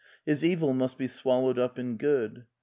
His evil must be swallowed up in good.